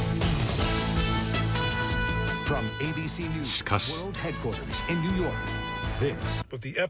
しかし。